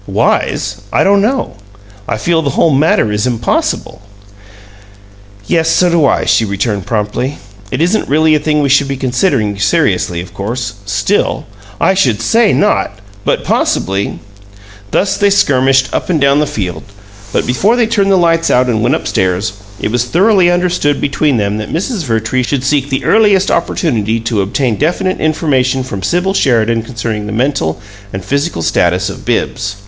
"Wise? I don't know. I feel the whole matter is impossible." "Yes, so do I," she returned, promptly. "It isn't really a thing we should be considering seriously, of course. Still " "I should say not! But possibly " Thus they skirmished up and down the field, but before they turned the lights out and went up stairs it was thoroughly understood between them that Mrs. Vertrees should seek the earliest opportunity to obtain definite information from Sibyl Sheridan concerning the mental and physical status of Bibbs.